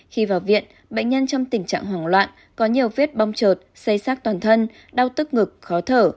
khi vào viện bệnh nhân trong tình trạng hoảng loạn có nhiều viết bong trột xây xác toàn thân đau tức ngực khó thở